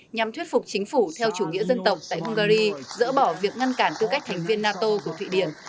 nhằm thuyết phục chính phủ theo chủ nghĩa dân tộc tại hungary dỡ bỏ việc ngăn cản tư cách thành viên nato của thụy điển